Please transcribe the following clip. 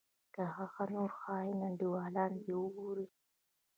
که هغه نور خاين انډيوالان دې وګورې.